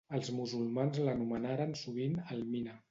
Els musulmans l'anomenaren sovint al-Mina.